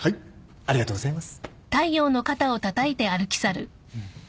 ありがとうございます。